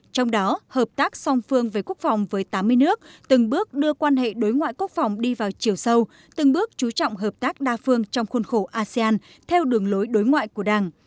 trong đó hợp tác song phương với quốc phòng với tám mươi nước từng bước đưa quan hệ đối ngoại quốc phòng đi vào chiều sâu từng bước chú trọng hợp tác đa phương trong khuôn khổ asean theo đường lối đối ngoại của đảng